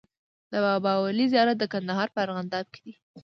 د بابا ولي زيارت د کندهار په ارغنداب کی دی